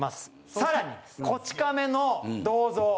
さらに『こち亀』の銅像